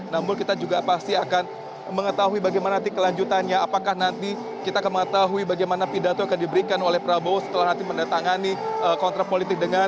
namun kita juga pasti akan mengetahui bagaimana nanti kelanjutannya apakah nanti kita akan mengetahui bagaimana pidato yang akan diberikan oleh prabowo setelah nanti mendatangani kontrak politik dengan